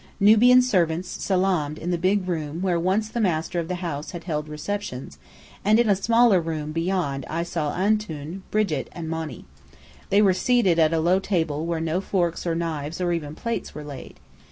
Nubian servants salaamed in the big room where once the master of the house had held receptions, and in a smaller room beyond I saw Antoun, Brigit, and Monny. They were seated at a low table where no forks or knives or even plates were laid.